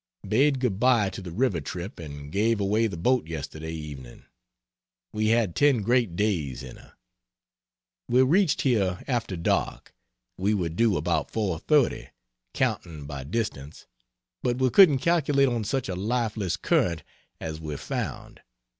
Bade good bye to the river trip and gave away the boat yesterday evening. We had ten great days in her. We reached here after dark. We were due about 4.30, counting by distance, but we couldn't calculate on such a lifeless current as we found.